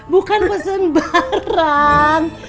bukan pesen barang